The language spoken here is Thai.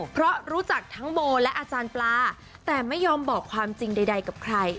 เพราะรู้จักทั้งโบและอาจารย์ปลาแต่ไม่ยอมบอกความจริงใดกับใคร